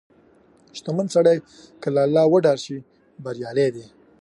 • شتمن سړی که له الله وډار شي، بریالی دی.